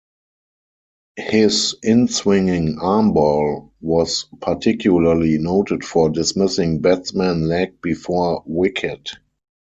His inswinging arm ball was particularly noted for dismissing batsmen leg before wicket.